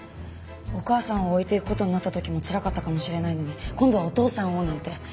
お母さんを置いていく事になった時もつらかったかもしれないのに今度はお父さんをなんて。